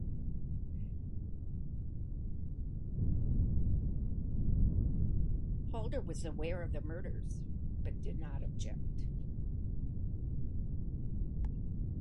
Halder was aware of the murders but did not object.